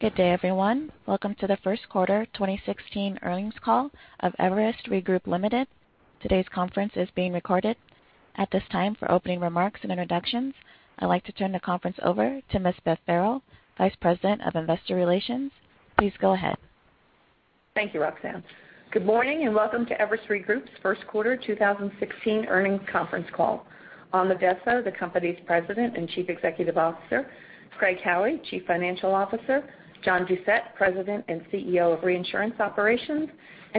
Good day, everyone. Welcome to the first quarter 2016 earnings call of Everest Re Group, Ltd. Today's conference is being recorded. At this time, for opening remarks and introductions, I'd like to turn the conference over to Ms. Beth Farrell, Vice President of Investor Relations. Please go ahead. Thank you, Roxanne. Good morning, welcome to Everest Re Group's first quarter 2016 earnings conference call. On the desk are the company's President and Chief Executive Officer, Dominic J. Addesso, Chief Financial Officer, Craig Howie, President and CEO of Reinsurance Operations,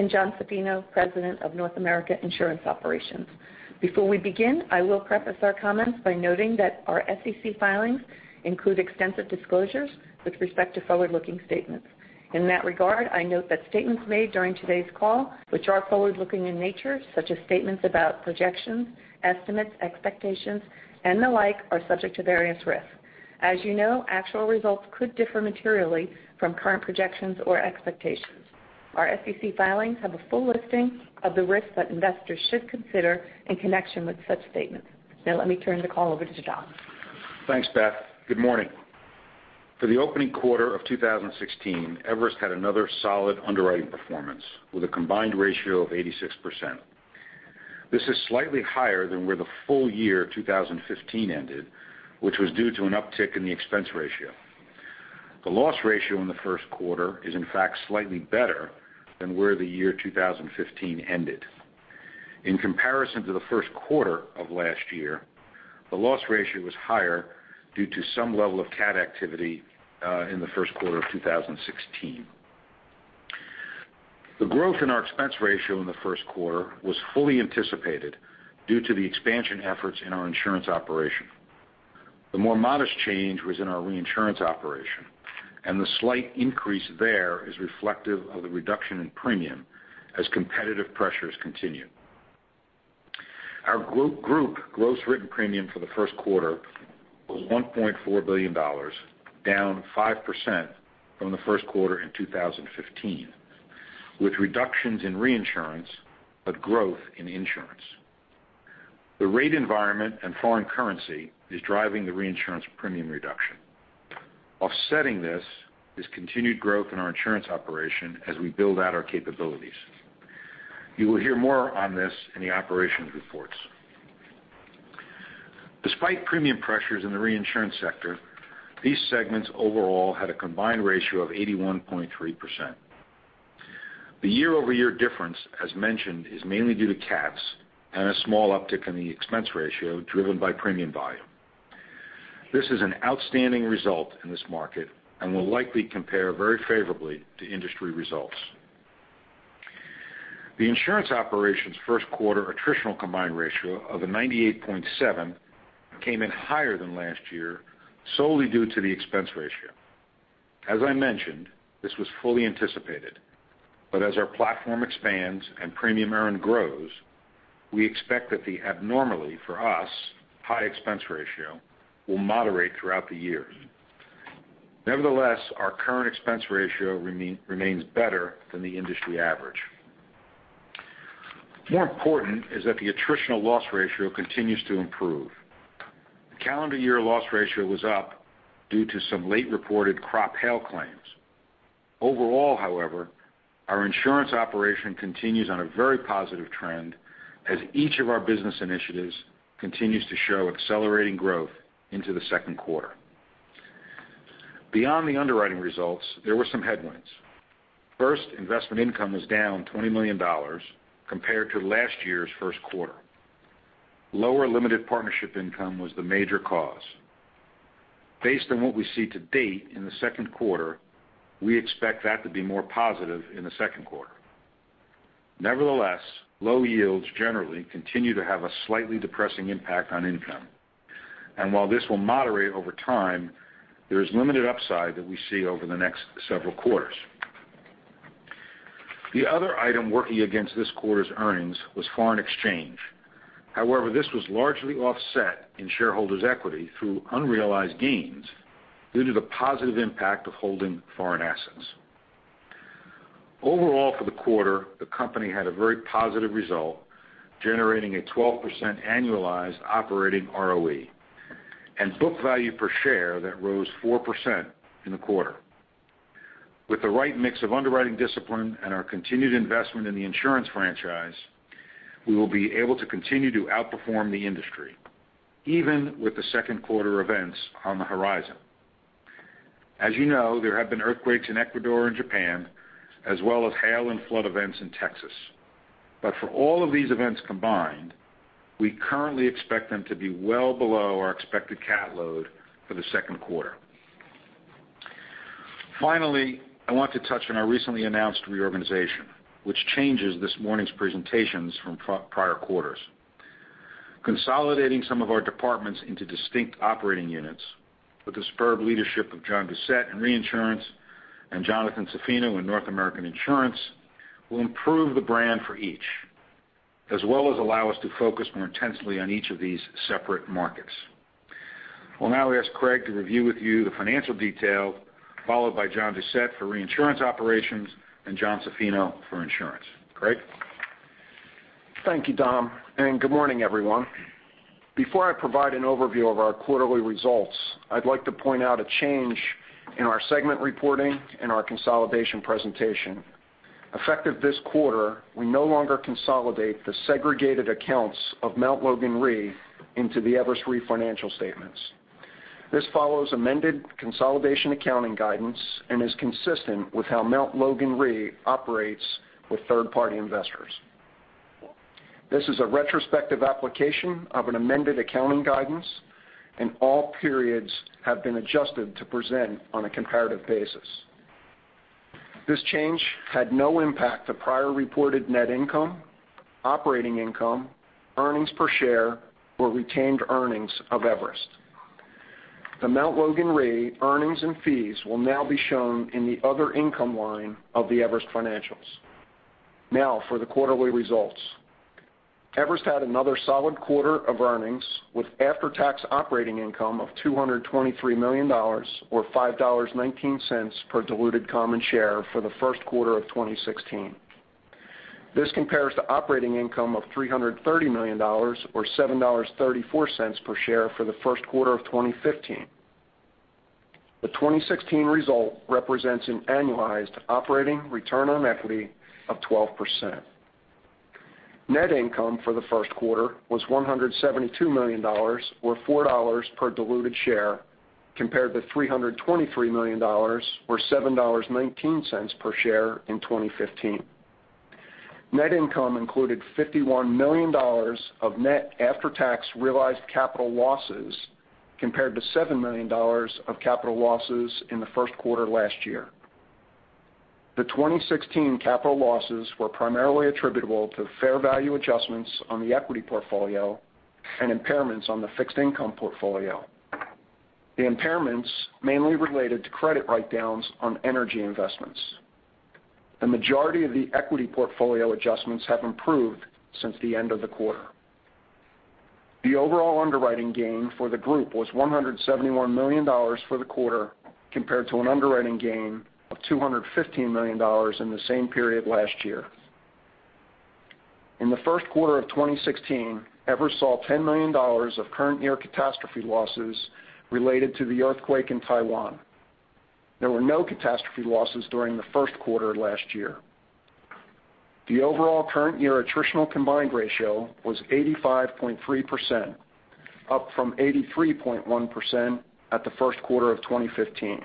John P. Doucette, and President of North America Insurance Operations, Jonathan M. Zaffino Before we begin, I will preface our comments by noting that our SEC filings include extensive disclosures with respect to forward-looking statements. In that regard, I note that statements made during today's call, which are forward-looking in nature, such as statements about projections, estimates, expectations, and the like, are subject to various risks. As you know, actual results could differ materially from current projections or expectations. Our SEC filings have a full listing of the risks that investors should consider in connection with such statements. Let me turn the call over to John. Thanks, Beth. Good morning. For the opening quarter of 2016, Everest had another solid underwriting performance with a combined ratio of 86%. This is slightly higher than where the full year 2015 ended, which was due to an uptick in the expense ratio. The loss ratio in the first quarter is, in fact, slightly better than where the year 2015 ended. In comparison to the first quarter of last year, the loss ratio was higher due to some level of cat activity in the first quarter of 2016. The growth in our expense ratio in the first quarter was fully anticipated due to the expansion efforts in our insurance operation. The more modest change was in our reinsurance operation, the slight increase there is reflective of the reduction in premium as competitive pressures continue. Our group gross written premium for the first quarter was $1.4 billion, down 5% from the first quarter in 2015, with reductions in reinsurance growth in insurance. The rate environment foreign currency is driving the reinsurance premium reduction. Offsetting this, is continued growth in our insurance operation as we build out our capabilities. You will hear more on this in the operations reports. Despite premium pressures in the reinsurance sector, these segments overall had a combined ratio of 81.3%. The year-over-year difference, as mentioned, is mainly due to cats a small uptick in the expense ratio driven by premium volume. This is an outstanding result in this market will likely compare very favorably to industry results. The insurance operations' first quarter attritional combined ratio of a 98.7 came in higher than last year, solely due to the expense ratio. I mentioned, this was fully anticipated. As our platform expands and premium earn grows, we expect that the abnormally, for us, high expense ratio will moderate throughout the year. Nevertheless, our current expense ratio remains better than the industry average. More important is that the attritional loss ratio continues to improve. The calendar year loss ratio was up due to some late-reported crop hail claims. Overall, however, our insurance operation continues on a very positive trend as each of our business initiatives continues to show accelerating growth into the second quarter. Beyond the underwriting results, there were some headwinds. First, investment income was down $20 million compared to last year's first quarter. Lower limited partnership income was the major cause. Based on what we see to date in the second quarter, we expect that to be more positive in the second quarter. Nevertheless, low yields generally continue to have a slightly depressing impact on income. While this will moderate over time, there is limited upside that we see over the next several quarters. The other item working against this quarter's earnings was foreign exchange. This was largely offset in shareholders' equity through unrealized gains due to the positive impact of holding foreign assets. Overall for the quarter, the company had a very positive result, generating a 12% annualized operating ROE and book value per share that rose 4% in the quarter. With the right mix of underwriting discipline and our continued investment in the insurance franchise, we will be able to continue to outperform the industry, even with the second quarter events on the horizon. As you know, there have been earthquakes in Ecuador and Japan, as well as hail and flood events in Texas. For all of these events combined, we currently expect them to be well below our expected cat load for the second quarter. Finally, I want to touch on our recently announced reorganization, which changes this morning's presentations from prior quarters. Consolidating some of our departments into distinct operating units with the superb leadership of John Doucette in reinsurance and Jonathan Zaffino in North American Insurance will improve the brand for each, as well as allow us to focus more intensely on each of these separate markets. I will now ask Craig to review with you the financial detail, followed by John Doucette for reinsurance operations and John Zaffino for insurance. Craig? Thank you, Dom, and good morning, everyone. Before I provide an overview of our quarterly results, I'd like to point out a change in our segment reporting and our consolidation presentation. Effective this quarter, we no longer consolidate the segregated accounts of Mount Logan Re into the Everest Re financial statements. This follows amended consolidation accounting guidance and is consistent with how Mount Logan Re operates with third-party investors. This is a retrospective application of an amended accounting guidance, and all periods have been adjusted to present on a comparative basis. This change had no impact to prior reported net income, operating income, earnings per share, or retained earnings of Everest. The Mount Logan Re earnings and fees will now be shown in the other income line of the Everest financials. Now, for the quarterly results. Everest had another solid quarter of earnings, with after-tax operating income of $223 million, or $5.19 per diluted common share for the first quarter of 2016. This compares to operating income of $330 million, or $7.34 per share for the first quarter of 2015. The 2016 result represents an annualized operating return on equity of 12%. Net income for the first quarter was $172 million, or $4 per diluted share, compared to $323 million or $7.19 per share in 2015. Net income included $51 million of net after-tax realized capital losses, compared to $7 million of capital losses in the first quarter last year. The 2016 capital losses were primarily attributable to fair value adjustments on the equity portfolio and impairments on the fixed income portfolio. The impairments mainly related to credit write-downs on energy investments. The majority of the equity portfolio adjustments have improved since the end of the quarter. The overall underwriting gain for the group was $171 million for the quarter, compared to an underwriting gain of $215 million in the same period last year. In the first quarter of 2016, Everest saw $10 million of current year catastrophe losses related to the earthquake in Taiwan. There were no catastrophe losses during the first quarter last year. The overall current year attritional combined ratio was 85.3%, up from 83.1% at the first quarter of 2015.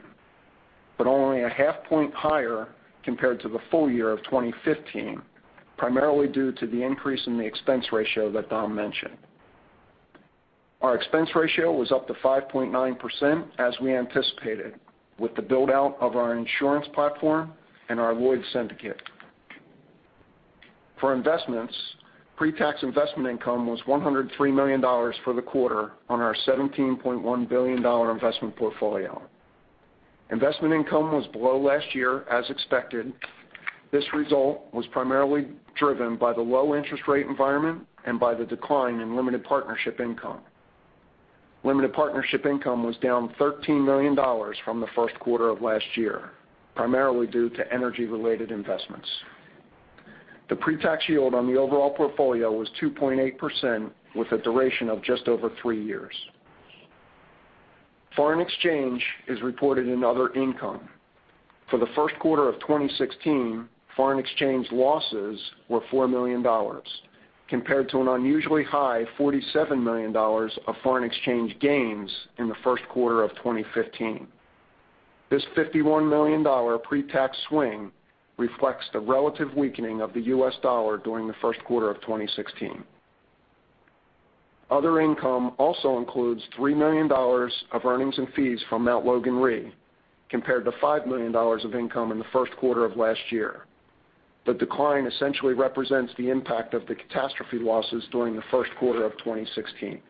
Only a half point higher compared to the full year of 2015, primarily due to the increase in the expense ratio that Dom mentioned. Our expense ratio was up to 5.9% as we anticipated with the build-out of our insurance platform and our Lloyd's syndicate. For investments, pre-tax investment income was $103 million for the quarter on our $17.1 billion investment portfolio. Investment income was below last year as expected. This result was primarily driven by the low interest rate environment and by the decline in limited partnership income. Limited partnership income was down $13 million from the first quarter of last year, primarily due to energy-related investments. The pre-tax yield on the overall portfolio was 2.8% with a duration of just over three years. Foreign exchange is reported in other income. For the first quarter of 2016, foreign exchange losses were $4 million, compared to an unusually high $47 million of foreign exchange gains in the first quarter of 2015. This $51 million pre-tax swing reflects the relative weakening of the U.S. dollar during the first quarter of 2016. Other income also includes $3 million of earnings and fees from Mount Logan Re, compared to $5 million of income in the first quarter of last year. The decline essentially represents the impact of the catastrophe losses during the first quarter of 2016.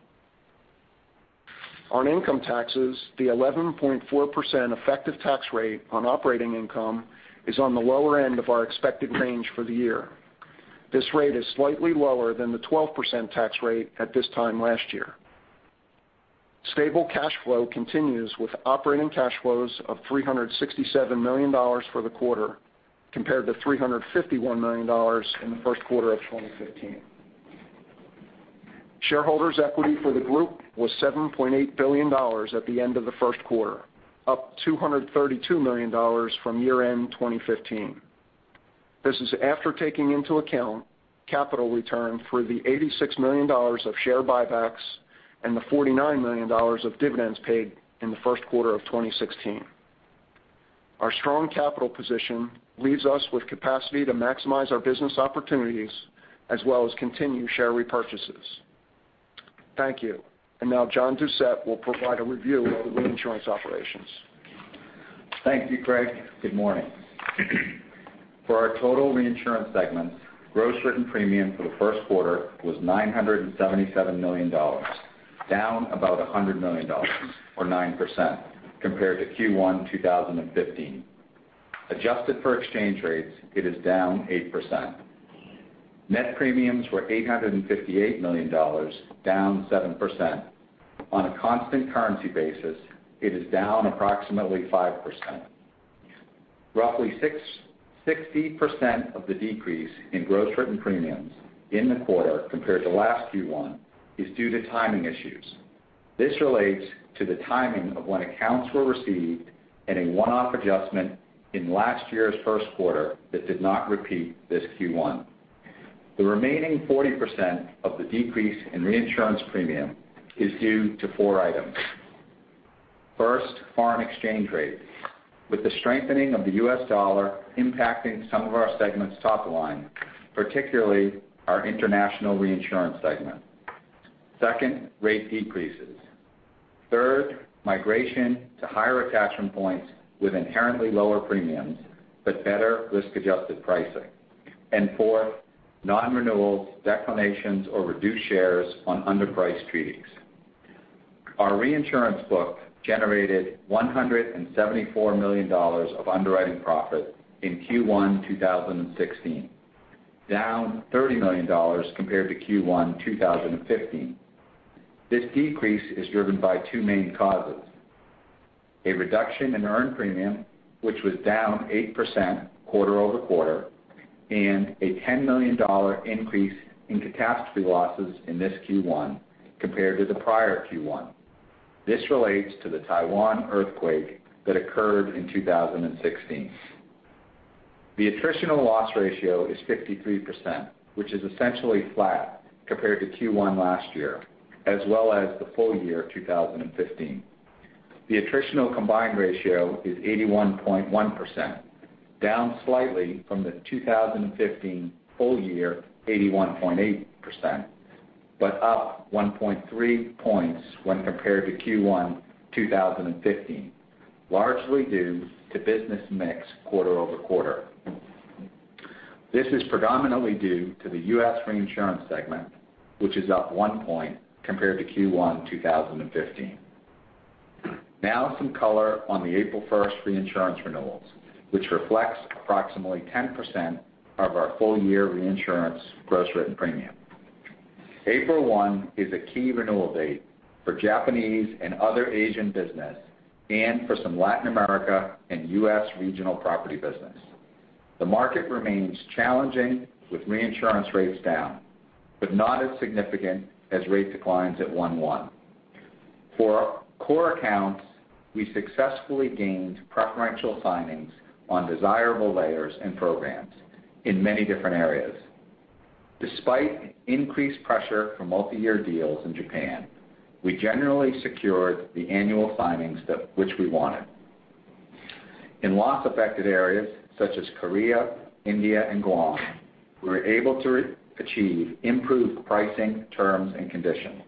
On income taxes, the 11.4% effective tax rate on operating income is on the lower end of our expected range for the year. This rate is slightly lower than the 12% tax rate at this time last year. Stable cash flow continues with operating cash flows of $367 million for the quarter, compared to $351 million in the first quarter of 2015. Shareholders' equity for the group was $7.8 billion at the end of the first quarter, up $232 million from year-end 2015. This is after taking into account capital return for the $86 million of share buybacks and the $49 million of dividends paid in the first quarter of 2016. Our strong capital position leaves us with capacity to maximize our business opportunities as well as continue share repurchases. Thank you. Now John Doucette will provide a review of the reinsurance operations. Thank you, Craig. Good morning. For our total reinsurance segment, gross written premium for the first quarter was $977 million, down about $100 million, or 9%, compared to Q1 2015. Adjusted for exchange rates, it is down 8%. Net premiums were $858 million, down 7%. On a constant currency basis, it is down approximately 5%. Roughly 60% of the decrease in gross written premiums in the quarter compared to last Q1 is due to timing issues. This relates to the timing of when accounts were received and a one-off adjustment in last year's first quarter that did not repeat this Q1. The remaining 40% of the decrease in reinsurance premium is due to four items. First, foreign exchange rate. With the strengthening of the U.S. dollar impacting some of our segment's top line, particularly our international reinsurance segment. Second, rate decreases. Third, migration to higher attachment points with inherently lower premiums, but better risk-adjusted pricing. Fourth, non-renewals, declinations, or reduced shares on underpriced treaties. Our reinsurance book generated $174 million of underwriting profit in Q1 2016, down $30 million compared to Q1 2015. This decrease is driven by two main causes. A reduction in earned premium, which was down 8% quarter-over-quarter, and a $10 million increase in catastrophe losses in this Q1 compared to the prior Q1. This relates to the Taiwan earthquake that occurred in 2016. The attritional loss ratio is 53%, which is essentially flat compared to Q1 last year, as well as the full year 2015. The attritional combined ratio is 81.1%, down slightly from the 2015 full year 81.8%, but up 1.3 points when compared to Q1 2015, largely due to business mix quarter-over-quarter. This is predominantly due to the U.S. reinsurance segment, which is up one point compared to Q1 2015. Now some color on the April 1st reinsurance renewals, which reflects approximately 10% of our full year reinsurance gross written premium. April 1 is a key renewal date for Japanese and other Asian business and for some Latin America and U.S. regional property business. The market remains challenging with reinsurance rates down, but not as significant as rate declines at 1/1. For our core accounts, we successfully gained preferential signings on desirable layers and programs in many different areas. Despite increased pressure from multi-year deals in Japan, we generally secured the annual signings which we wanted. In loss-affected areas such as Korea, India, and Guam, we were able to achieve improved pricing terms and conditions.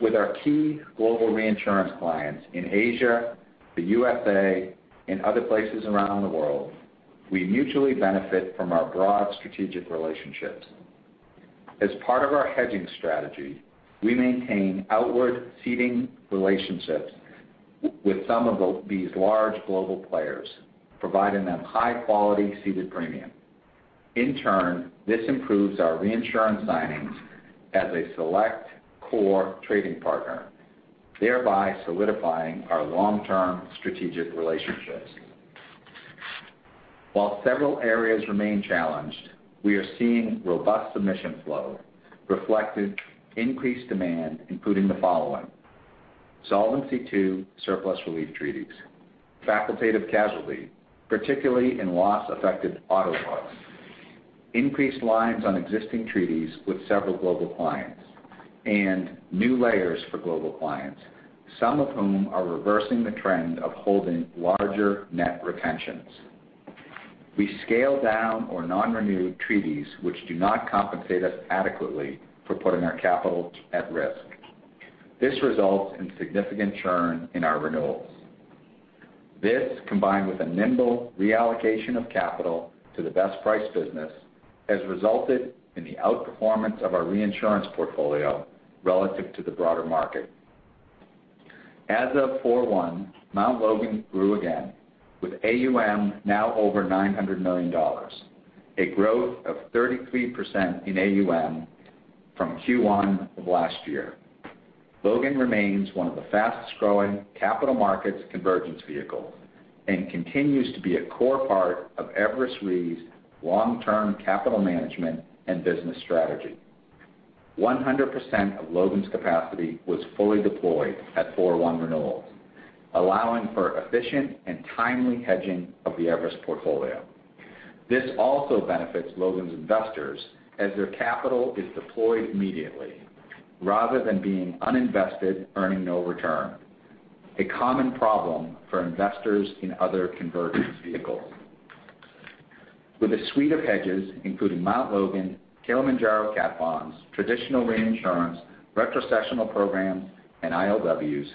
With our key global reinsurance clients in Asia, the U.S.A., and other places around the world, we mutually benefit from our broad strategic relationships. As part of our hedging strategy, we maintain outward ceding relationships with some of these large global players, providing them high-quality ceded premium. In turn, this improves our reinsurance signings as a select core trading partner, thereby solidifying our long-term strategic relationships. While several areas remain challenged, we are seeing robust submission flow reflected increased demand, including the following. Solvency II surplus relief treaties, facultative casualty, particularly in loss-affected auto lines, increased lines on existing treaties with several global clients, and new layers for global clients, some of whom are reversing the trend of holding larger net retentions. We scale down or non-renew treaties which do not compensate us adequately for putting our capital at risk. This results in significant churn in our renewals. This, combined with a nimble reallocation of capital to the best priced business, has resulted in the outperformance of our reinsurance portfolio relative to the broader market. As of 4/1, Mount Logan grew again, with AUM now over $900 million, a growth of 33% in AUM from Q1 of last year. Logan remains one of the fastest-growing capital markets convergence vehicles and continues to be a core part of Everest Re's long-term capital management and business strategy. 100% of Logan's capacity was fully deployed at 4/1 renewals, allowing for efficient and timely hedging of the Everest portfolio. This also benefits Logan's investors as their capital is deployed immediately rather than being uninvested, earning no return, a common problem for investors in other convergence vehicles. With a suite of hedges, including Mount Logan, Kilimanjaro cat bonds, traditional reinsurance, retrocessional programs, and ILWs,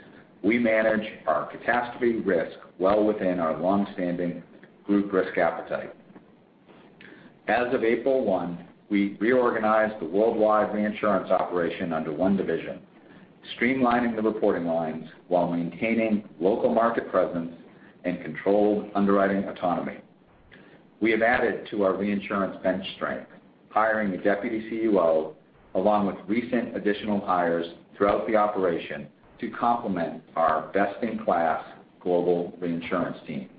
we manage our catastrophe risk well within our longstanding group risk appetite. As of April 1, we reorganized the worldwide reinsurance operation under one division, streamlining the reporting lines while maintaining local market presence and controlled underwriting autonomy. We have added to our reinsurance bench strength, hiring a deputy COO, along with recent additional hires throughout the operation to complement our best-in-class global reinsurance team.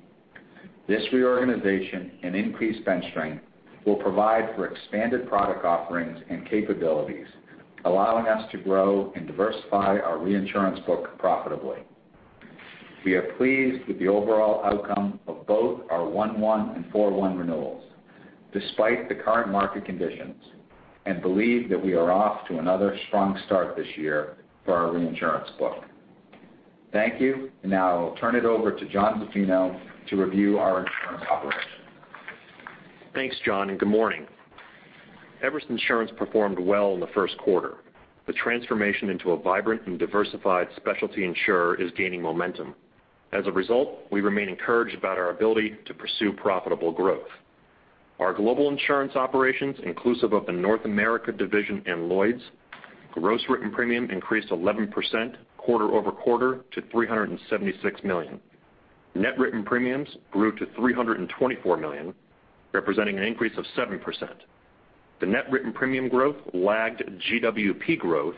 This reorganization and increased bench strength will provide for expanded product offerings and capabilities, allowing us to grow and diversify our reinsurance book profitably. We are pleased with the overall outcome of both our 1/1 and 4/1 renewals, despite the current market conditions, and believe that we are off to another strong start this year for our reinsurance book. Thank you. Now I will turn it over to Jonathan M. Zaffino to review our insurance operation. Thanks, John, and good morning. Everest Insurance performed well in the first quarter. The transformation into a vibrant and diversified specialty insurer is gaining momentum. As a result, we remain encouraged about our ability to pursue profitable growth. Our global insurance operations, inclusive of the North America division and Lloyd's, gross written premium increased 11% quarter-over-quarter to $376 million. Net written premiums grew to $324 million, representing an increase of 7%. The net written premium growth lagged GWP growth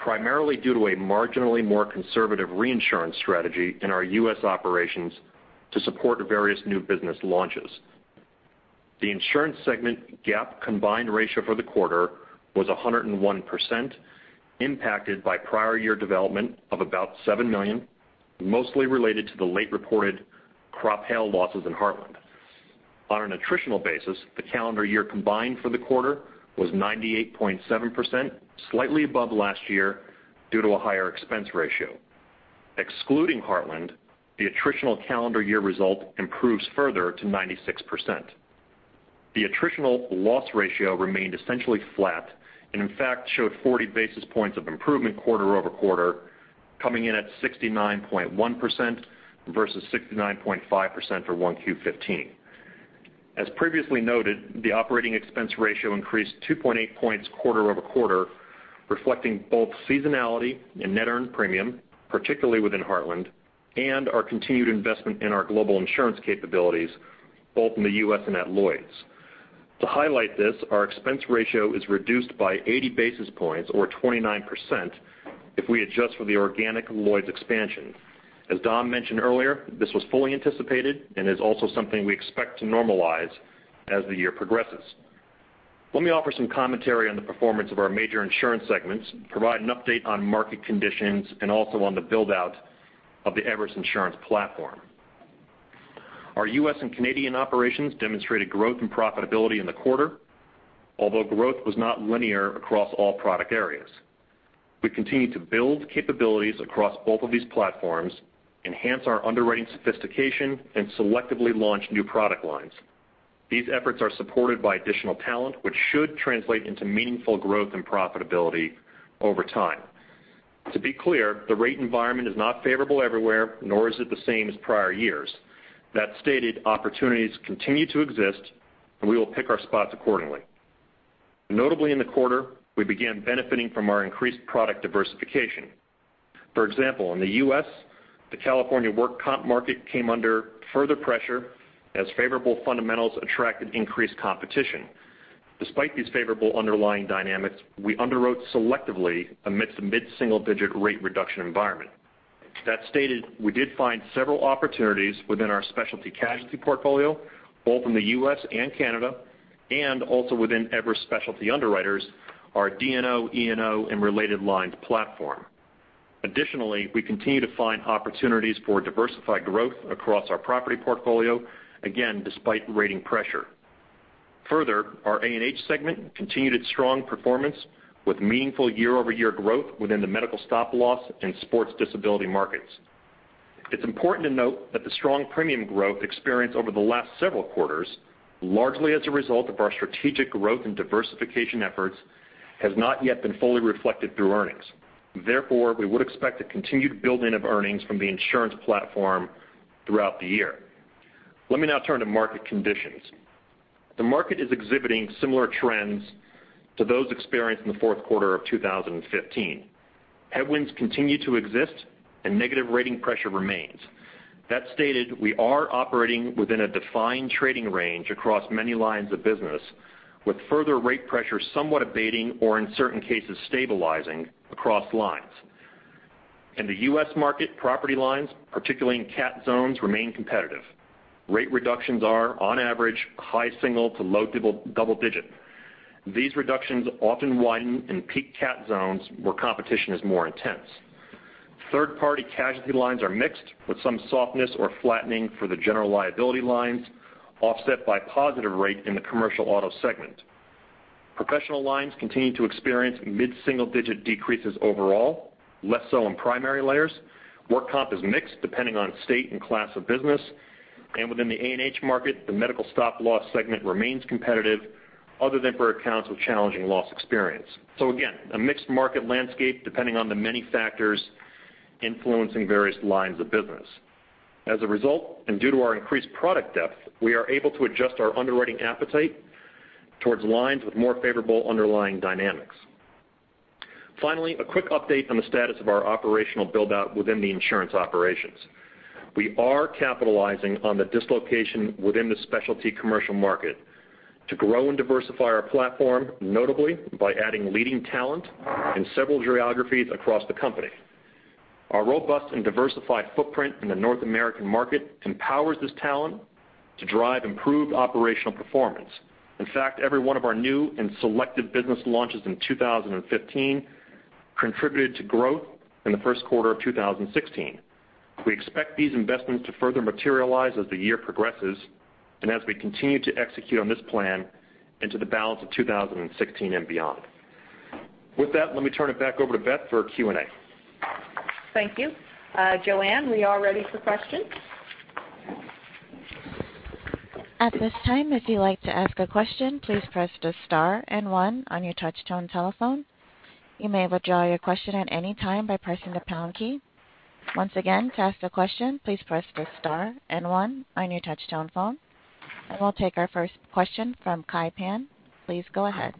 primarily due to a marginally more conservative reinsurance strategy in our U.S. operations to support various new business launches. The insurance segment GAAP combined ratio for the quarter was 101%, impacted by prior year development of about $7 million, mostly related to the late-reported crop-hail losses in Heartland. On an attritional basis, the calendar year combined for the quarter was 98.7%, slightly above last year due to a higher expense ratio. Excluding Heartland, the attritional calendar year result improves further to 96%. The attritional loss ratio remained essentially flat and in fact showed 40 basis points of improvement quarter-over-quarter, coming in at 69.1% versus 69.5% for 1Q 2015. As previously noted, the operating expense ratio increased 2.8 points quarter-over-quarter, reflecting both seasonality and net earned premium, particularly within Heartland, and our continued investment in our global insurance capabilities, both in the U.S. and at Lloyd's. To highlight this, our expense ratio is reduced by 80 basis points or 29% if we adjust for the organic Lloyd's expansion. As Dom mentioned earlier, this was fully anticipated and is also something we expect to normalize as the year progresses. Let me offer some commentary on the performance of our major insurance segments, provide an update on market conditions, and also on the build-out of the Everest Insurance platform. Our U.S. and Canadian operations demonstrated growth and profitability in the quarter, although growth was not linear across all product areas. We continue to build capabilities across both of these platforms, enhance our underwriting sophistication, and selectively launch new product lines. These efforts are supported by additional talent, which should translate into meaningful growth and profitability over time. To be clear, the rate environment is not favorable everywhere, nor is it the same as prior years. That stated, opportunities continue to exist, and we will pick our spots accordingly. Notably in the quarter, we began benefiting from our increased product diversification. For example, in the U.S., the California work comp market came under further pressure as favorable fundamentals attracted increased competition. Despite these favorable underlying dynamics, we underwrote selectively amidst a mid-single-digit rate reduction environment. That stated, we did find several opportunities within our specialty casualty portfolio, both in the U.S. and Canada, and also within Everest Specialty Underwriters, our D&O, E&O, and related lines platform. Additionally, we continue to find opportunities for diversified growth across our property portfolio, again, despite rating pressure. Further, our A&H segment continued its strong performance with meaningful year-over-year growth within the medical stop loss and sports disability markets. It's important to note that the strong premium growth experienced over the last several quarters, largely as a result of our strategic growth and diversification efforts, has not yet been fully reflected through earnings. Therefore, we would expect a continued building of earnings from the insurance platform throughout the year. Let me now turn to market conditions. The market is exhibiting similar trends to those experienced in the fourth quarter of 2015. Headwinds continue to exist and negative rating pressure remains. That stated, we are operating within a defined trading range across many lines of business, with further rate pressure somewhat abating or in certain cases stabilizing across lines. In the U.S. market, property lines, particularly in cat zones, remain competitive. Rate reductions are on average high single to low double digit. These reductions often widen in peak cat zones where competition is more intense. Third-party casualty lines are mixed, with some softness or flattening for the general liability lines offset by positive rate in the commercial auto segment. Professional lines continue to experience mid-single-digit decreases overall, less so in primary layers. Work comp is mixed depending on state and class of business. Within the A&H market, the medical stop loss segment remains competitive other than for accounts with challenging loss experience. So again, a mixed market landscape depending on the many factors influencing various lines of business. As a result, and due to our increased product depth, we are able to adjust our underwriting appetite towards lines with more favorable underlying dynamics. Finally, a quick update on the status of our operational build-out within the insurance operations. We are capitalizing on the dislocation within the specialty commercial market to grow and diversify our platform, notably by adding leading talent in several geographies across the company. Our robust and diversified footprint in the North American market empowers this talent to drive improved operational performance. In fact, every one of our new and selected business launches in 2015 contributed to growth in the first quarter of 2016. We expect these investments to further materialize as the year progresses and as we continue to execute on this plan into the balance of 2016 and beyond. Let me turn it back over to Beth for Q&A. Thank you. Joanne, we are ready for questions. At this time, if you'd like to ask a question, please press the star and one on your touch-tone telephone. You may withdraw your question at any time by pressing the pound key. Once again, to ask a question, please press the star and one on your touch-tone phone. We'll take our first question from Kai Pan. Please go ahead.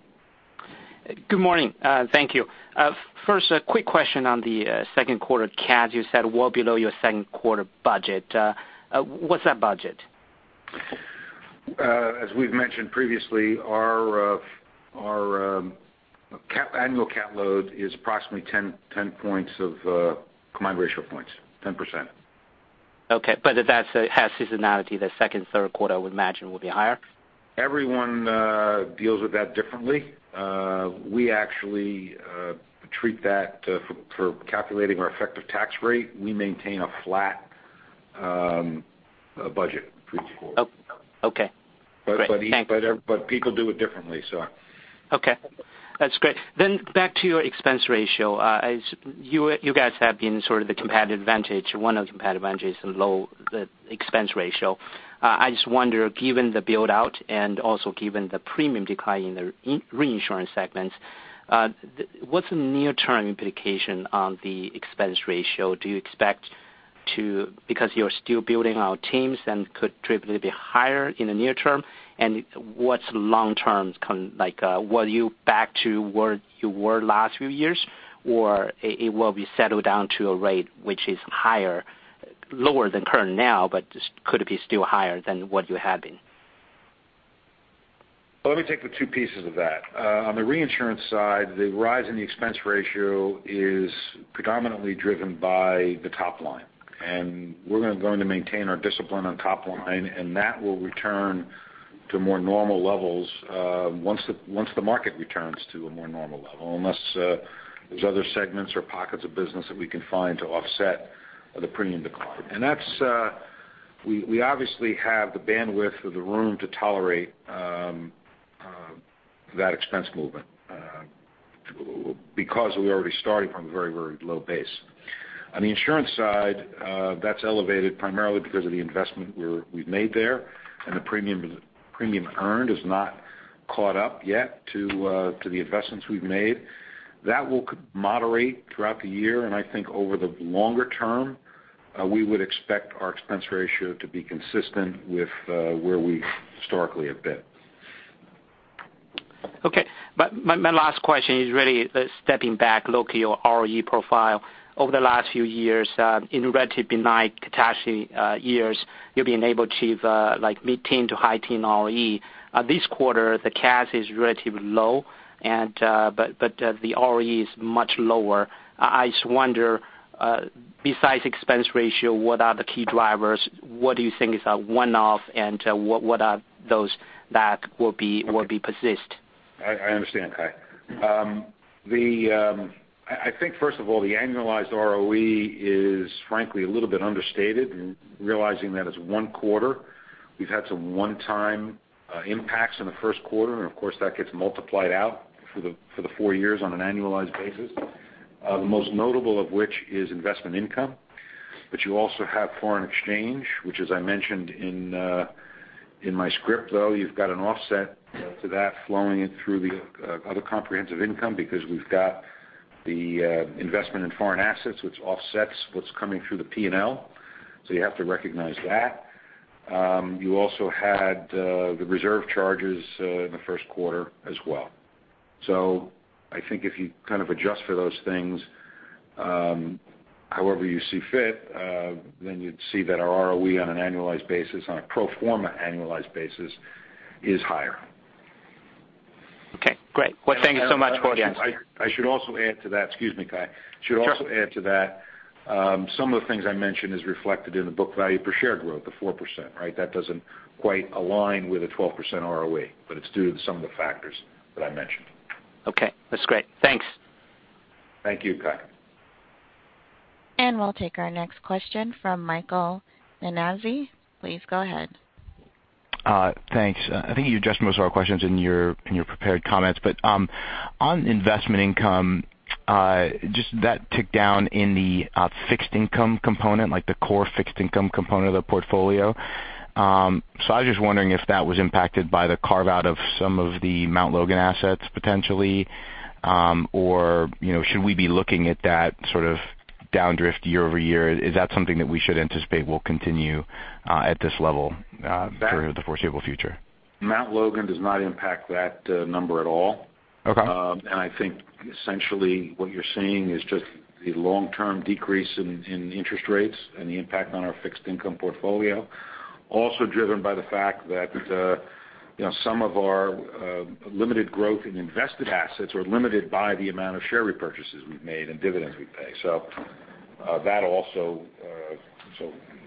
Good morning. Thank you. First, a quick question on the second quarter cat. You said well below your second quarter budget. What's that budget? As we've mentioned previously, our annual cat load is approximately 10 combined ratio points, 10%. Okay. That has seasonality. The second, third quarter, I would imagine, will be higher. Everyone deals with that differently. We actually treat that for calculating our effective tax rate. We maintain a flat budget for each quarter. Okay. Great. Thank you. People do it differently. Okay. That's great. Back to your expense ratio. You guys have been sort of the competitive advantage. One of the competitive advantage is the low expense ratio. I just wonder, given the build-out and also given the premium decline in the reinsurance segments, what's the near-term implication on the expense ratio? Do you expect to, because you're still building out teams, then could potentially be higher in the near term? What's long term like? Will you back to where you were last few years, or it will be settled down to a rate which is lower than current now, but could be still higher than what you have been? Let me take the two pieces of that. On the reinsurance side, the rise in the expense ratio is predominantly driven by the top line. We're going to maintain our discipline on top line, and that will return to more normal levels once the market returns to a more normal level, unless there's other segments or pockets of business that we can find to offset the premium decline. We obviously have the bandwidth or the room to tolerate that expense movement because we're already starting from a very low base. On the insurance side, that's elevated primarily because of the investment we've made there, and the premium earned has not caught up yet to the investments we've made. That will moderate throughout the year. I think over the longer term, we would expect our expense ratio to be consistent with where we historically have been. Okay. My last question is really stepping back, look your ROE profile over the last few years in relatively benign catastrophe years, you've been able to achieve like mid-teen to high teen ROE. This quarter, the CAT is relatively low. The ROE is much lower. I just wonder, besides expense ratio, what are the key drivers? What do you think is a one-off, and what are those that will be persist? I understand, Kai. I think, first of all, the annualized ROE is frankly a little bit understated, realizing that it's one quarter. We've had some one-time impacts in the first quarter, and of course, that gets multiplied out for the four years on an annualized basis. The most notable of which is investment income. You also have foreign exchange, which as I mentioned in my script, though, you've got an offset to that flowing in through the other comprehensive income because we've got the investment in foreign assets which offsets what's coming through the P&L. You have to recognize that. You also had the reserve charges in the first quarter as well. I think if you kind of adjust for those things however you see fit, then you'd see that our ROE on an annualized basis, on a pro forma annualized basis, is higher. Okay, great. Thank you so much for the answer. I should also add to that. Excuse me, Kai. Sure. I should also add to that some of the things I mentioned is reflected in the book value per share growth, the 4%, right? That doesn't quite align with a 12% ROE, but it's due to some of the factors that I mentioned. Okay, that's great. Thanks. Thank you, Kai. We'll take our next question from Michael Nannizzi. Please go ahead. Thanks. I think you addressed most of our questions in your prepared comments. On investment income, just that tick down in the fixed income component, like the core fixed income component of the portfolio. I was just wondering if that was impacted by the carve-out of some of the Mount Logan assets potentially. Or should we be looking at that sort of downdrift year-over-year? Is that something that we should anticipate will continue at this level for the foreseeable future? Mount Logan does not impact that number at all. Okay. I think essentially what you're seeing is just the long-term decrease in interest rates and the impact on our fixed income portfolio. Also driven by the fact that some of our limited growth in invested assets are limited by the amount of share repurchases we've made and dividends we pay.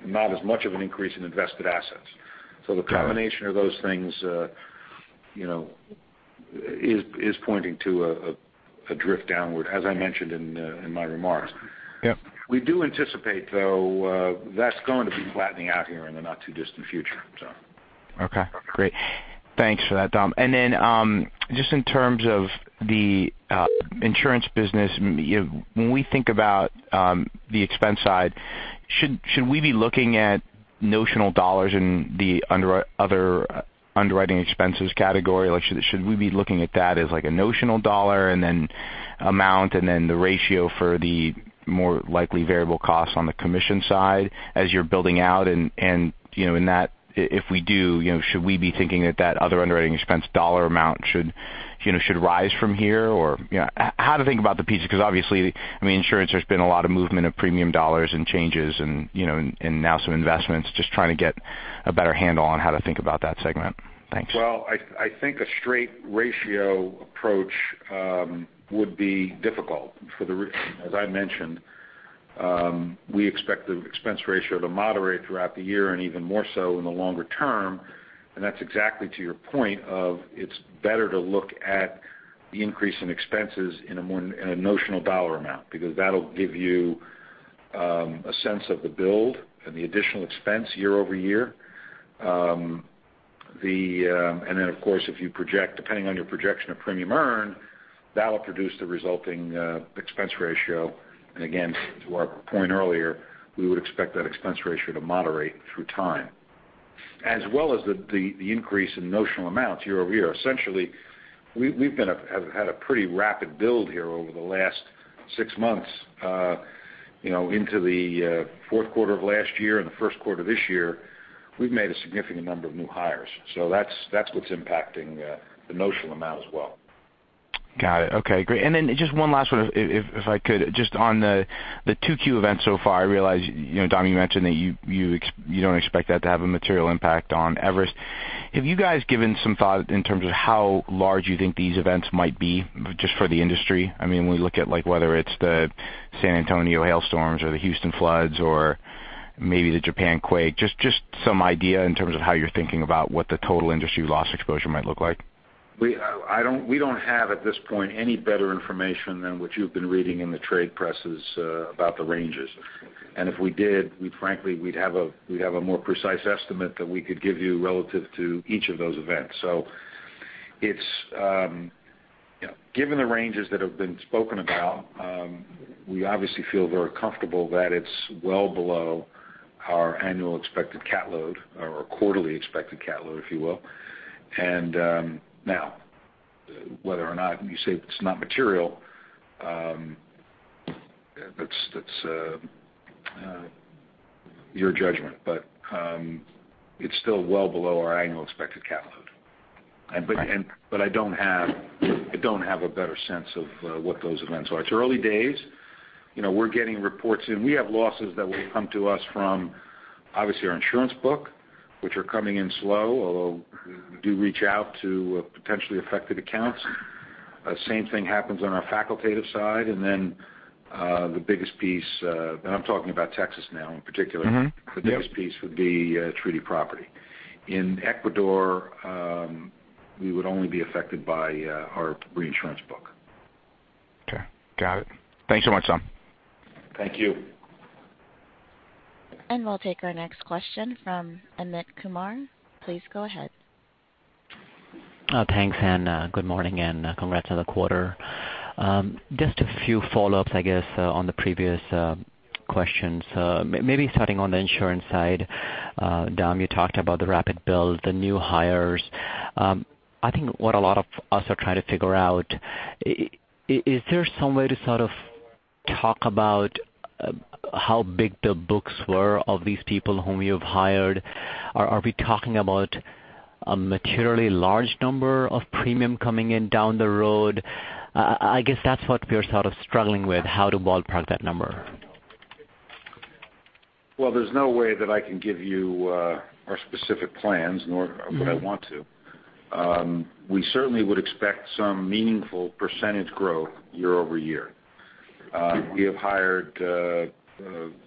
Not as much of an increase in invested assets. The combination of those things is pointing to a drift downward, as I mentioned in my remarks. Yep. We do anticipate, though, that's going to be flattening out here in the not too distant future. Okay, great. Thanks for that, Dom. Just in terms of the insurance business, when we think about the expense side, should we be looking at notional dollars in the other underwriting expenses category? Should we be looking at that as like a notional dollar and then amount, and then the ratio for the more likely variable costs on the commission side as you're building out? If we do, should we be thinking that that other underwriting expense dollar amount should rise from here? Or how to think about the piece, because obviously, insurance, there's been a lot of movement of premium dollars and changes and now some investments. Just trying to get a better handle on how to think about that segment. Thanks. I think a straight ratio approach would be difficult. As I mentioned, we expect the expense ratio to moderate throughout the year and even more so in the longer term, and that's exactly to your point of it's better to look at the increase in expenses in a notional dollar amount. That'll give you a sense of the build and the additional expense year-over-year. Of course, depending on your projection of premium earned, that'll produce the resulting expense ratio. Again, to our point earlier, we would expect that expense ratio to moderate through time, as well as the increase in notional amounts year-over-year. Essentially, we've had a pretty rapid build here over the last 6 months into the fourth quarter of last year and the first quarter of this year. We've made a significant number of new hires. That's what's impacting the notional amount as well. Got it. Okay, great. Just one last one if I could. Just on the 2Q event so far, I realize, Dom, you mentioned that you don't expect that to have a material impact on Everest. Have you guys given some thought in terms of how large you think these events might be just for the industry? When we look at like whether it's the San Antonio hailstorms or the Houston floods or maybe the Japan quake, just some idea in terms of how you're thinking about what the total industry loss exposure might look like. We don't have, at this point, any better information than what you've been reading in the trade presses about the ranges. If we did, frankly, we'd have a more precise estimate that we could give you relative to each of those events. Given the ranges that have been spoken about, we obviously feel very comfortable that it's well below our annual expected cat load or quarterly expected cat load, if you will. Whether or not you say it's not material, that's your judgment, it's still well below our annual expected cat load. Right. I don't have a better sense of what those events are. It's early days. We're getting reports in. We have losses that will come to us from, obviously, our insurance book, which are coming in slow, although we do reach out to potentially affected accounts. Same thing happens on our facultative side. The biggest piece, and I'm talking about Texas now in particular- Yep the biggest piece would be treaty property. In Ecuador, we would only be affected by our reinsurance book. Okay, got it. Thanks so much, Dom. Thank you. We'll take our next question from Amit Kumar. Please go ahead. Thanks, Operator. Good morning, congrats on the quarter. Just a few follow-ups, I guess, on the previous questions. Maybe starting on the insurance side. Dom, you talked about the rapid build, the new hires. I think what a lot of us are trying to figure out, is there some way to sort of talk about how big the books were of these people whom you've hired? Are we talking about a materially large number of premium coming in down the road? I guess that's what we're sort of struggling with, how to ballpark that number. Well, there's no way that I can give you our specific plans, nor would I want to. We certainly would expect some meaningful percentage growth year-over-year. We have hired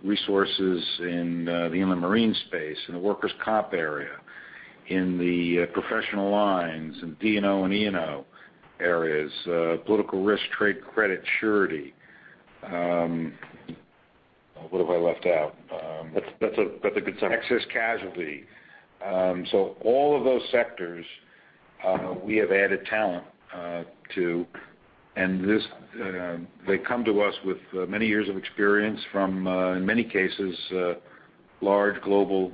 resources in the marine space, in the workers' comp area, in the professional lines, in D&O and E&O areas, political risk, trade credit surety. What have I left out? That's a good summary. Excess casualty. All of those sectors we have added talent to, and they come to us with many years of experience from, in many cases, large global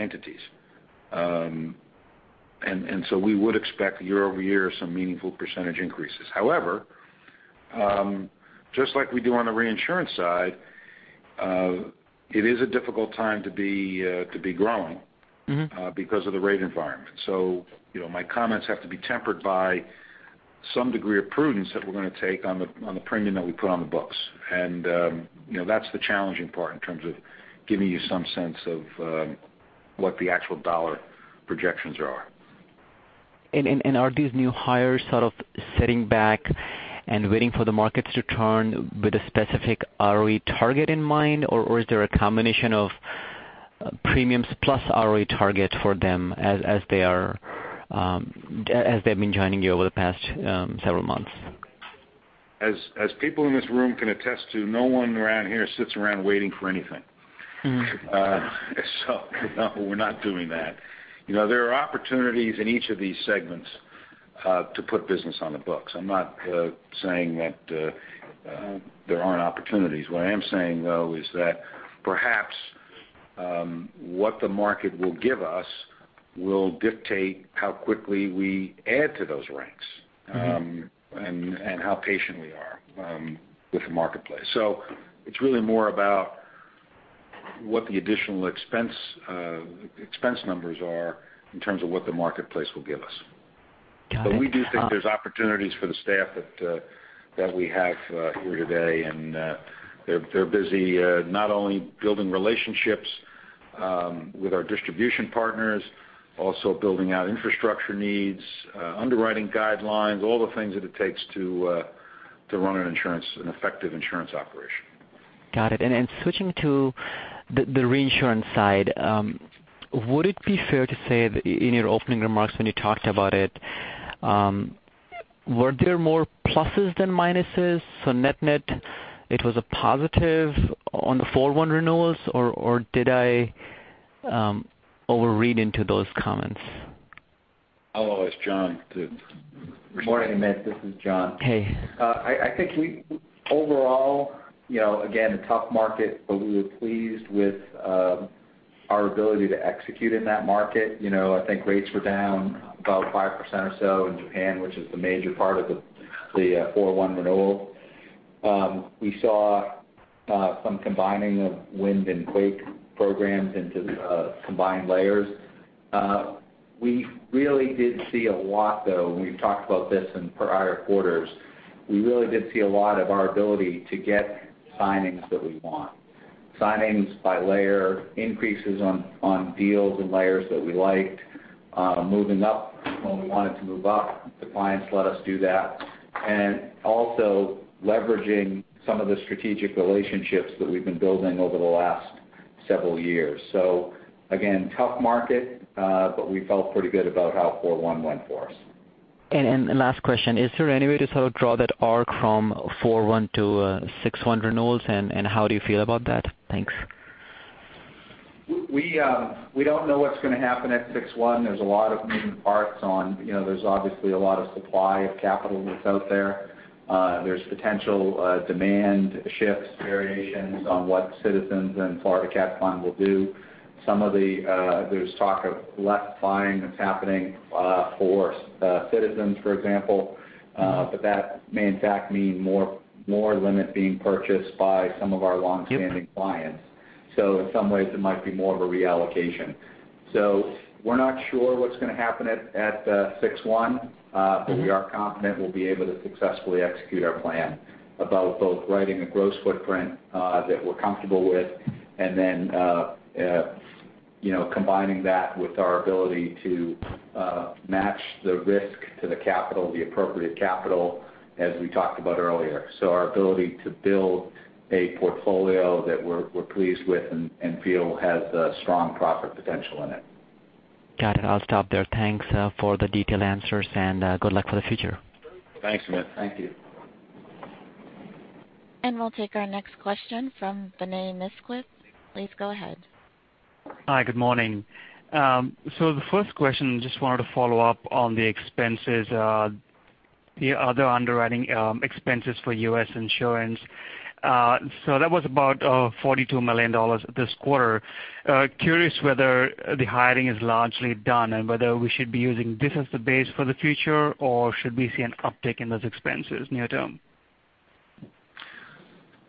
entities. We would expect year-over-year some meaningful percentage increases. However, just like we do on the reinsurance side, it is a difficult time to be growing because of the rate environment. My comments have to be tempered by some degree of prudence that we're going to take on the premium that we put on the books. That's the challenging part in terms of giving you some sense of what the actual dollar projections are. Are these new hires sort of sitting back and waiting for the markets to turn with a specific ROE target in mind? Or is there a combination of premiums plus ROE target for them as they've been joining you over the past several months? As people in this room can attest to, no one around here sits around waiting for anything. No, we're not doing that. There are opportunities in each of these segments to put business on the books. I'm not saying that there aren't opportunities. What I am saying, though, is that perhaps what the market will give us will dictate how quickly we add to those ranks and how patient we are with the marketplace. It's really more about what the additional expense numbers are in terms of what the marketplace will give us. Got it. We do think there's opportunities for the staff that we have here today, and they're busy not only building relationships with our distribution partners, also building out infrastructure needs, underwriting guidelines, all the things that it takes to run an effective insurance operation. Got it. Switching to the reinsurance side, would it be fair to say that in your opening remarks when you talked about it, were there more pluses than minuses? Net, it was a positive on the 4/1 renewals, or did I overread into those comments? I'll ask John to respond. Good morning, Amit. This is John. Hey. I think overall, again, a tough market, but we were pleased with our ability to execute in that market. I think rates were down about 5% or so in Japan, which is the major part of the 4/1 renewal. We saw some combining of wind and quake programs into combined layers. We really did see a lot, though. We've talked about this in prior quarters. We really did see a lot of our ability to get signings that we want. Signings by layer, increases on deals and layers that we liked, moving up when we wanted to move up, the clients let us do that, and also leveraging some of the strategic relationships that we've been building over the last several years. Again, tough market, but we felt pretty good about how 4/1 went for us. Last question. Is there any way to sort of draw that arc from 4/1 to 6/1 renewals, and how do you feel about that? Thanks. We don't know what's going to happen at 6/1. There's a lot of moving parts on. There's obviously a lot of supply of capital that's out there. There's potential demand shifts, variations on what Citizens and Florida Cat Fund will do. There's talk of less buying that's happening for Citizens, for example. That may in fact mean more limit being purchased by some of our long-standing clients. In some ways, it might be more of a reallocation. We're not sure what's going to happen at the 6/1. We are confident we'll be able to successfully execute our plan about both writing a gross footprint that we're comfortable with and then combining that with our ability to match the risk to the capital, the appropriate capital, as we talked about earlier. Our ability to build a portfolio that we're pleased with and feel has a strong profit potential in it. Got it. I'll stop there. Thanks for the detailed answers, good luck for the future. Thanks, Amit. Thank you. We'll take our next question from Vinay Misquith. Please go ahead. Hi. Good morning. The first question, just wanted to follow up on the expenses, the other underwriting expenses for U.S. insurance. That was about $42 million this quarter. Curious whether the hiring is largely done and whether we should be using this as the base for the future, or should we see an uptick in those expenses near term?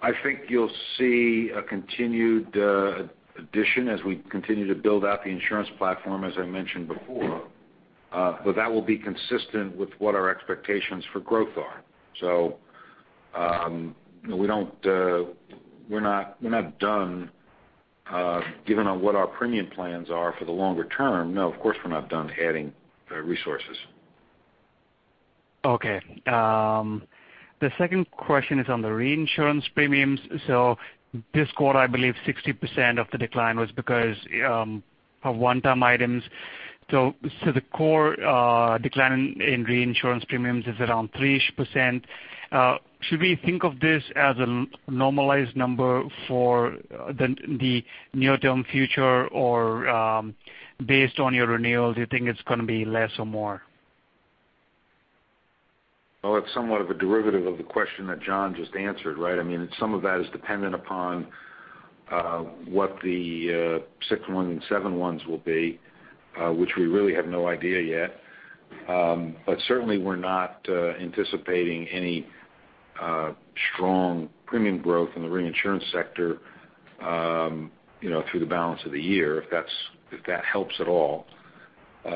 I think you'll see a continued addition as we continue to build out the insurance platform, as I mentioned before. That will be consistent with what our expectations for growth are. We're not done given on what our premium plans are for the longer term. No, of course, we're not done adding resources. Okay. The second question is on the reinsurance premiums. This quarter, I believe 60% of the decline was because of one-time items. The core decline in reinsurance premiums is around 3%. Should we think of this as a normalized number for the near-term future? Or based on your renewal, do you think it's going to be less or more? Well, it's somewhat of a derivative of the question that John just answered, right? I mean, some of that is dependent upon what the 6/1s and 7/1s will be, which we really have no idea yet. Certainly we're not anticipating any strong premium growth in the reinsurance sector through the balance of the year, if that helps at all,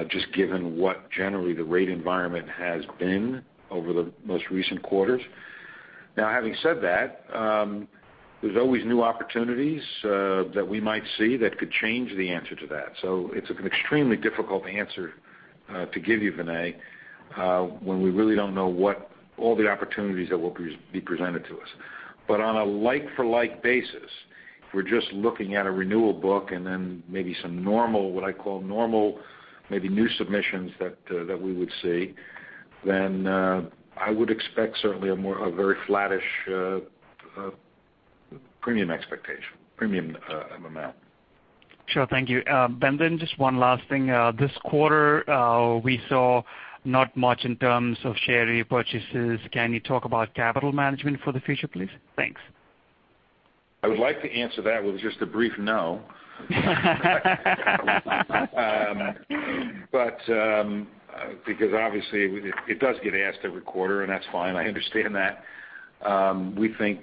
just given what generally the rate environment has been over the most recent quarters. Now, having said that, there's always new opportunities that we might see that could change the answer to that. It's an extremely difficult answer to give you, Vinay, when we really don't know what all the opportunities that will be presented to us. On a like for like basis, if we're just looking at a renewal book and then maybe some what I call normal, maybe new submissions that we would see, I would expect certainly a very flattish premium expectation, premium amount. Sure. Thank you. Beth, then just one last thing. This quarter, we saw not much in terms of share repurchases. Can you talk about capital management for the future, please? Thanks. I would like to answer that with just a brief no. Obviously it does get asked every quarter, and that's fine. I understand that. We think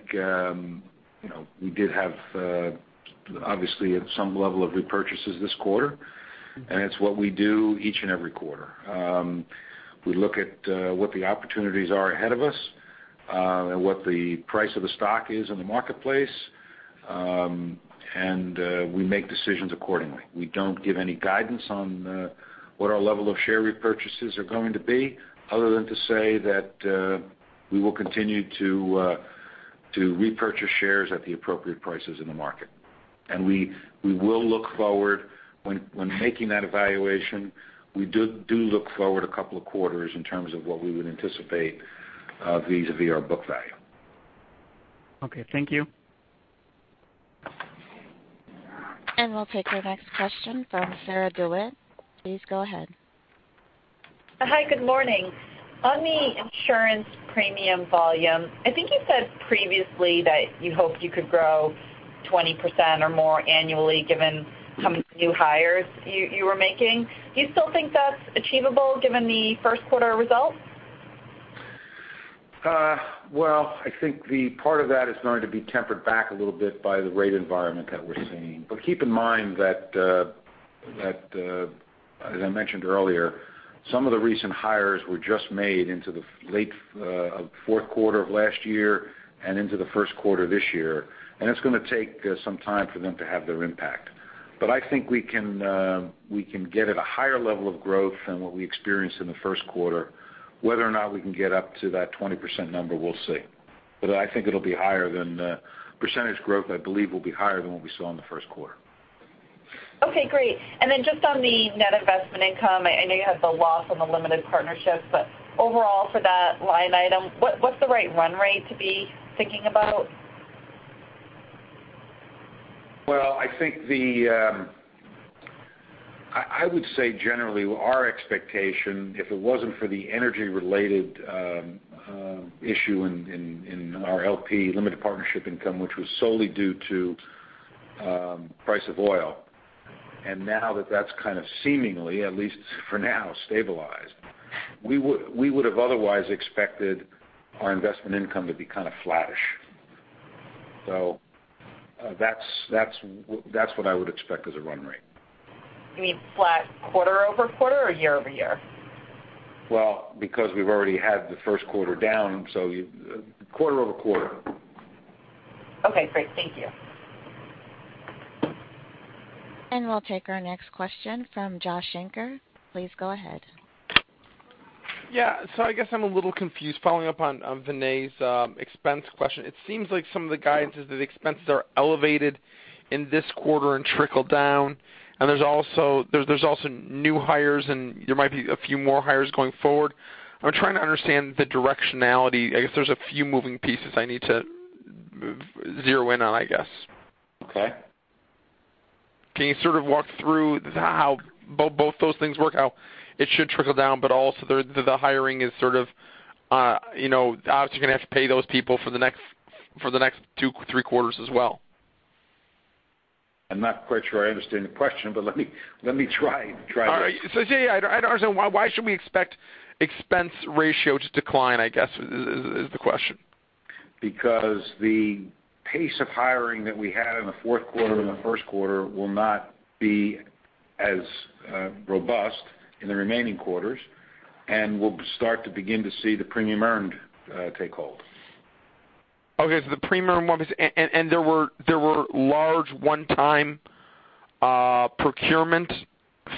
we did have, obviously, at some level of repurchases this quarter, and it's what we do each and every quarter. We look at what the opportunities are ahead of us, and what the price of the stock is in the marketplace, and we make decisions accordingly. We don't give any guidance on what our level of share repurchases are going to be, other than to say that we will continue to repurchase shares at the appropriate prices in the market. When making that evaluation, we do look forward a couple of quarters in terms of what we would anticipate vis-à-vis our book value. Okay. Thank you. We'll take our next question from Sarah DeWitt. Please go ahead. Hi, good morning. On the insurance premium volume, I think you said previously that you hoped you could grow 20% or more annually, given how many new hires you were making. Do you still think that's achievable given the first quarter results? Well, I think the part of that is going to be tempered back a little bit by the rate environment that we're seeing. Keep in mind that as I mentioned earlier, some of the recent hires were just made into the late fourth quarter of last year and into the first quarter of this year. It's going to take some time for them to have their impact. I think we can get at a higher level of growth than what we experienced in the first quarter. Whether or not we can get up to that 20% number, we'll see. I think percentage growth, I believe, will be higher than what we saw in the first quarter. Okay, great. Then just on the net investment income, I know you had the loss on the limited partnership, but overall for that line item, what's the right run rate to be thinking about? I would say generally our expectation, if it wasn't for the energy related issue in our LP, limited partnership income, which was solely due to price of oil. Now that that's kind of seemingly, at least for now, stabilized, we would've otherwise expected our investment income to be kind of flattish. That's what I would expect as a run rate. You mean flat quarter-over-quarter or year-over-year? Well, because we've already had the first quarter down, quarter-over-quarter. Okay, great. Thank you. We'll take our next question from Josh Shanker. Please go ahead. Yeah. I guess I'm a little confused. Following up on Vinay's expense question, it seems like some of the guidance is that expenses are elevated in this quarter and trickle down. There's also new hires, and there might be a few more hires going forward. I'm trying to understand the directionality. I guess there's a few moving pieces I need to zero in on, I guess. Okay. Can you sort of walk through how both those things work out? It should trickle down, but also the hiring is sort of, obviously you're going to have to pay those people for the next two, three quarters as well. I'm not quite sure I understand the question, but let me try. All right. Yeah, why should we expect expense ratio to decline, I guess is the question? The pace of hiring that we had in the fourth quarter and the first quarter will not be as robust in the remaining quarters, and we'll start to begin to see the premium earned take hold. Okay, the premium earned, and there were large one-time procurement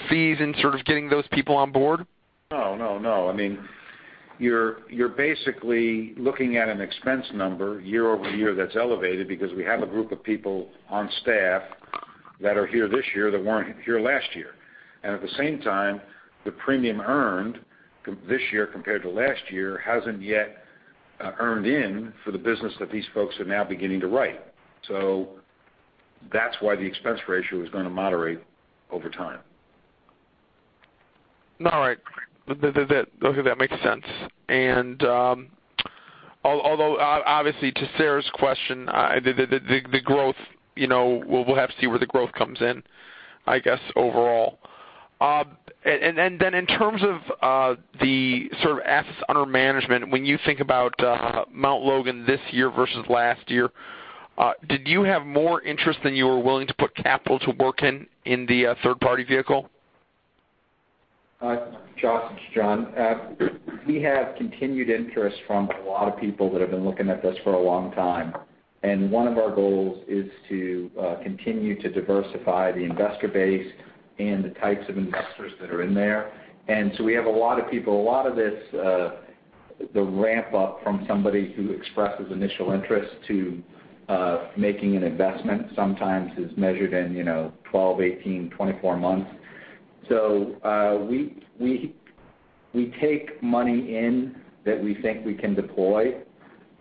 fees in sort of getting those people on board? No. You're basically looking at an expense number year-over-year that's elevated because we have a group of people on staff that are here this year that weren't here last year. At the same time, the premium earned this year compared to last year hasn't yet earned in for the business that these folks are now beginning to write. That's why the expense ratio is going to moderate over time. All right. That makes sense. Although obviously to Sarah's question, we'll have to see where the growth comes in, I guess, overall. In terms of the sort of assets under management, when you think about Mount Logan this year versus last year, did you have more interest than you were willing to put capital to work in the third party vehicle? Josh, it's John. We have continued interest from a lot of people that have been looking at this for a long time, one of our goals is to continue to diversify the investor base and the types of investors that are in there. We have a lot of people, a lot of this, the ramp up from somebody who expresses initial interest to making an investment sometimes is measured in 12, 18, 24 months. We take money in that we think we can deploy,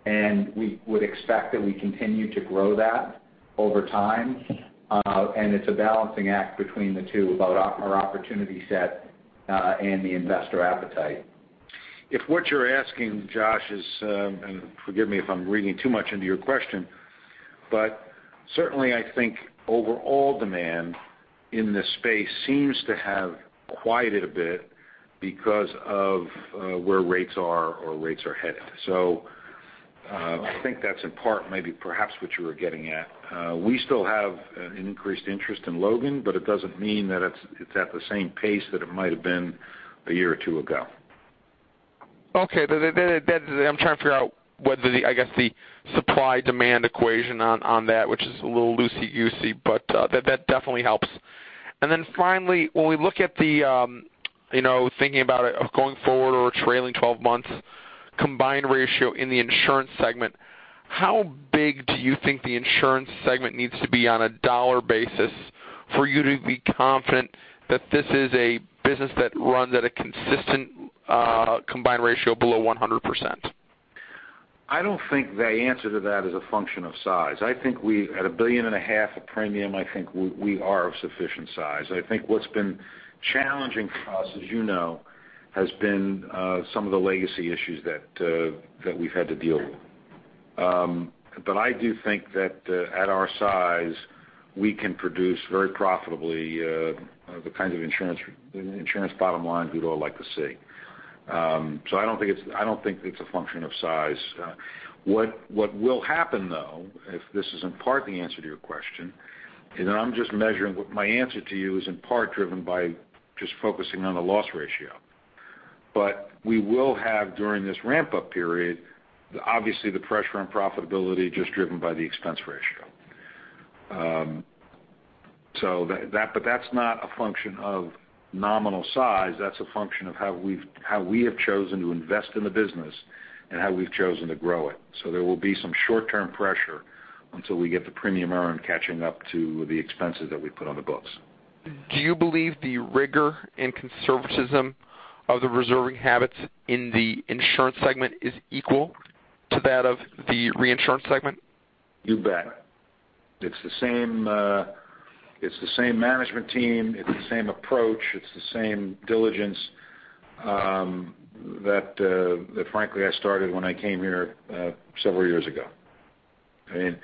we would expect that we continue to grow that over time. It's a balancing act between the two about our opportunity set, the investor appetite. If what you're asking, Josh is, and forgive me if I'm reading too much into your question, but certainly I think overall demand in this space seems to have quieted a bit because of where rates are or rates are headed. I think that's in part maybe perhaps what you were getting at. We still have an increased interest in Logan, but it doesn't mean that it's at the same pace that it might have been a year or two ago. Okay. I'm trying to figure out whether, I guess the supply demand equation on that, which is a little loosey-goosey, but that definitely helps. Finally, when we look at the, thinking about it going forward or a trailing 12 months combined ratio in the insurance segment, how big do you think the insurance segment needs to be on a dollar basis for you to be confident that this is a business that runs at a consistent combined ratio below 100%? I don't think the answer to that is a function of size. I think we at $1.5 billion of premium, I think we are of sufficient size. I think what's been challenging for us, as you know, has been some of the legacy issues that we've had to deal with. I do think that at our size, we can produce very profitably, the kind of insurance bottom line we'd all like to see. I don't think it's a function of size. What will happen though, if this is in part the answer to your question, and I'm just measuring what my answer to you is in part driven by just focusing on the loss ratio. We will have, during this ramp up period, obviously the pressure on profitability just driven by the expense ratio. That's not a function of nominal size. That's a function of how we have chosen to invest in the business and how we've chosen to grow it. There will be some short-term pressure until we get the premium earn catching up to the expenses that we put on the books. Do you believe the rigor and conservatism of the reserving habits in the insurance segment is equal to that of the reinsurance segment? You bet. It's the same management team, it's the same approach, it's the same diligence that frankly I started when I came here several years ago. It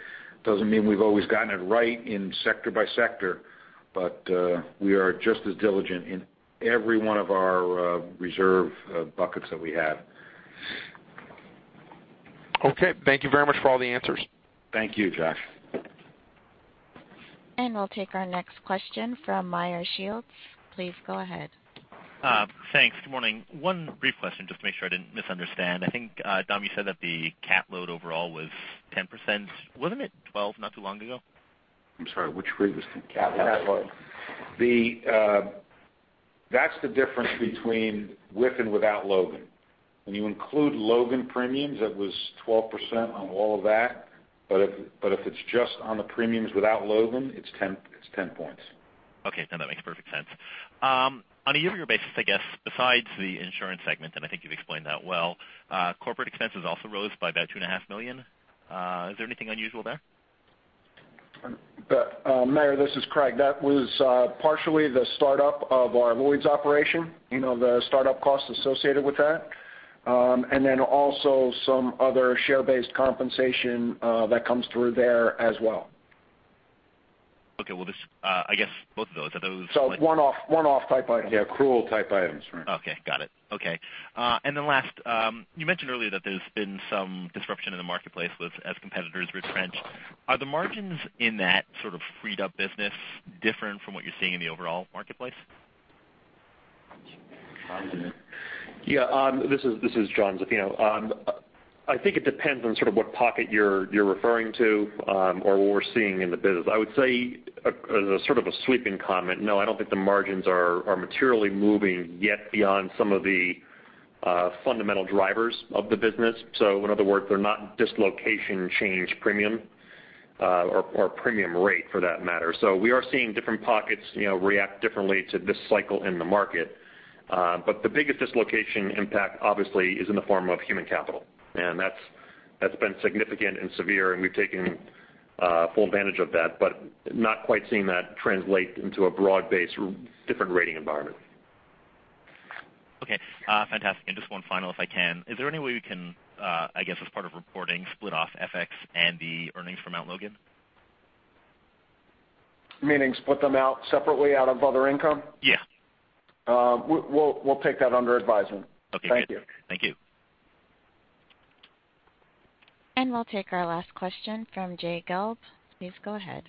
doesn't mean we've always gotten it right in sector by sector, but we are just as diligent in every one of our reserve buckets that we have. Okay. Thank you very much for all the answers. Thank you, Josh. We'll take our next question from Meyer Shields. Please go ahead. Thanks. Good morning. One brief question, just to make sure I didn't misunderstand. I think, Dom, you said that the cat load overall was 10%. Wasn't it 12 not too long ago? I'm sorry, which rate was 10? Cat load. Cat load. That's the difference between with and without Logan. When you include Logan premiums, it was 12% on all of that. If it's just on the premiums without Logan, it's 10 points. Okay. No, that makes perfect sense. On a year-over-year basis, I guess besides the insurance segment, and I think you've explained that well, corporate expenses also rose by about two and a half million. Is there anything unusual there? Meyer, this is Craig. That was partially the startup of our Lloyd's operation, the startup costs associated with that. Also some other share-based compensation that comes through there as well. Okay. Well, I guess both of those, are those One-off type items. Yeah, accrual type items. Right. Okay. Got it. Okay. Then last, you mentioned earlier that there's been some disruption in the marketplace with as competitors retrench. Are the margins in that sort of freed up business different from what you're seeing in the overall marketplace? Yeah. This is Jon Zaffino. I think it depends on sort of what pocket you're referring to, or what we're seeing in the business. I would say as a sort of a sweeping comment, no, I don't think the margins are materially moving yet beyond some of the fundamental drivers of the business. In other words, they're not dislocation change premium, or premium rate for that matter. We are seeing different pockets react differently to this cycle in the market. The biggest dislocation impact obviously is in the form of human capital. That's been significant and severe, and we've taken full advantage of that, but not quite seeing that translate into a broad-based different rating environment. Okay. Fantastic. Just one final, if I can. Is there any way we can, I guess, as part of reporting, split off FX and the earnings from Mount Logan? Meaning split them out separately out of other income? Yeah. We'll take that under advisement. Okay, good. Thank you. Thank you. We'll take our last question from Jay Gelb. Please go ahead.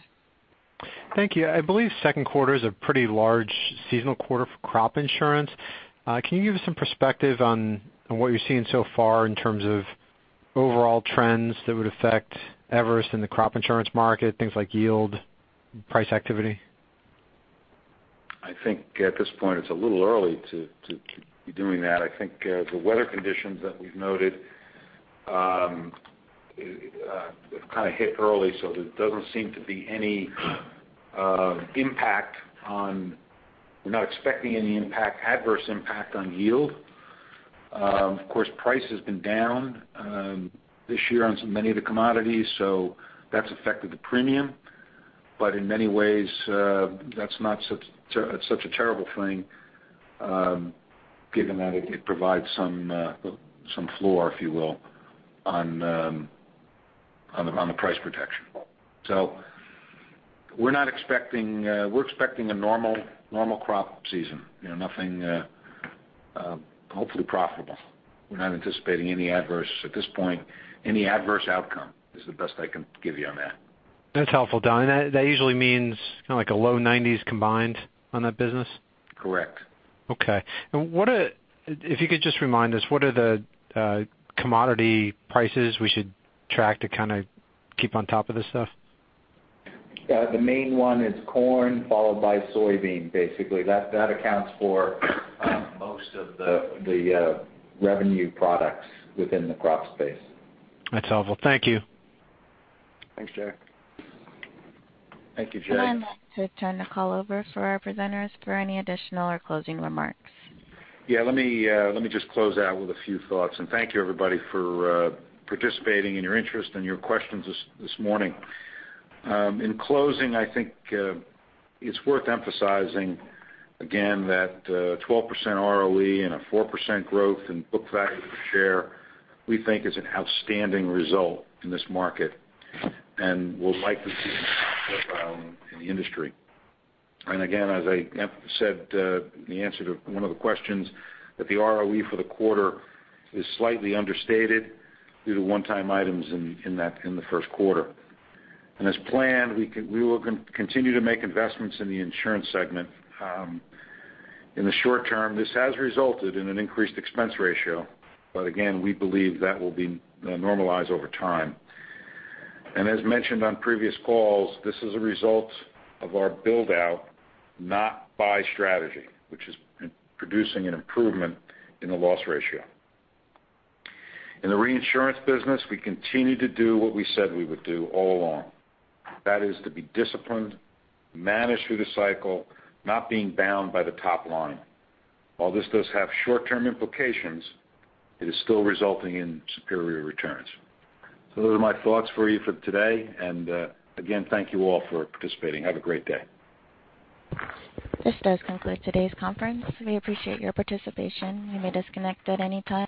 Thank you. I believe second quarter is a pretty large seasonal quarter for crop insurance. Can you give us some perspective on what you're seeing so far in terms of overall trends that would affect Everest in the crop insurance market, things like yield, price activity? I think at this point it's a little early to be doing that. I think the weather conditions that we've noted have kind of hit early, so there doesn't seem to be any We're not expecting any adverse impact on yield. Of course, price has been down this year on many of the commodities, so that's affected the premium. In many ways, that's not such a terrible thing, given that it provides some floor, if you will, on the price protection. We're expecting a normal crop season, hopefully profitable. We're not anticipating, at this point, any adverse outcome is the best I can give you on that. That's helpful, Dom. That usually means kind of like a low nineties combined on that business? Correct. Okay. If you could just remind us, what are the commodity prices we should track to kind of keep on top of this stuff? The main one is corn, followed by soybean. Basically, that accounts for most of the revenue products within the crop space. That's helpful. Thank you. Thanks, Jay. Thank you, Jay. I'd like to turn the call over for our presenters for any additional or closing remarks. Let me just close out with a few thoughts. Thank you, everybody, for participating and your interest and your questions this morning. In closing, I think it's worth emphasizing again that 12% ROE and a 4% growth in book value per share, we think is an outstanding result in this market, and will likely be in the industry. Again, as I said in the answer to one of the questions, that the ROE for the quarter is slightly understated due to one-time items in the first quarter. As planned, we will continue to make investments in the insurance segment. In the short term, this has resulted in an increased expense ratio. Again, we believe that will normalize over time. As mentioned on previous calls, this is a result of our build-out-not-buy strategy, which is producing an improvement in the loss ratio. In the reinsurance business, we continue to do what we said we would do all along. That is to be disciplined, manage through the cycle, not being bound by the top line. While this does have short-term implications, it is still resulting in superior returns. Those are my thoughts for you for today. Again, thank you all for participating. Have a great day. This does conclude today's conference. We appreciate your participation. You may disconnect at any time.